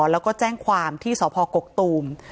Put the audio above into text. แล้วก็แจ้งความที่สพกกตูม